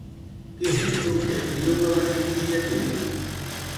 Quin és l'objectiu de les iniciatives?